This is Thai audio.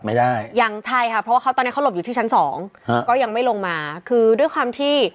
ไม่ได้อย่างใช่แคบเพราะครอบครับอยู่ที่ชั้นสองก็ยังไม่ลงมาคือด้วยความที่